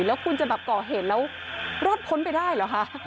แล้วคุณจะแบบก่อเหตุแล้วรอดพ้นไปได้เหรอคะ